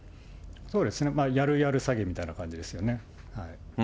そうですね、やるやる詐欺みたいな感じですよね。